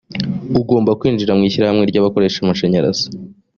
ugomba kwinjira mu ishyirahamwe ry’abakoresha amashanyarazi